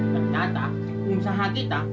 ternyata usaha kita